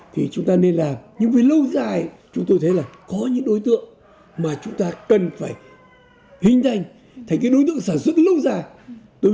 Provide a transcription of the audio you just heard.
thì chúng ta nên làm nhưng với lâu dài chúng tôi thấy là có những đối tượng mà chúng ta cần phải hình thành thành đối tượng sản xuất lâu dài